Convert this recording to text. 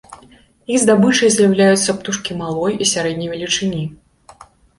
Іх здабычай з'яўляюцца птушкі малой і сярэдняй велічыні.